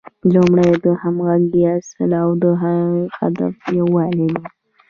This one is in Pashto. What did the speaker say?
لومړی د همغږۍ اصل او د هدف یووالی دی.